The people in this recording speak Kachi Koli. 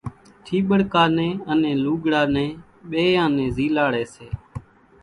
ٺيٻڙڪا نين انين لوڳڙا نين ٻيئان نين زيلاڙي سي